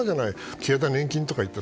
消えた年金とかって。